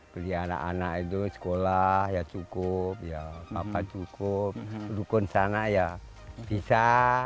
beli anak anak itu sekolah ya cukup ya papa cukup dukun sana ya bisa